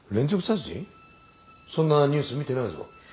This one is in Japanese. そんなニュース見てないぞ。